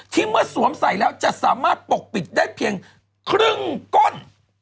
เมื่อสวมใส่แล้วจะสามารถปกปิดได้เพียงครึ่งก้น